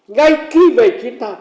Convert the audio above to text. ngay khi về chính ta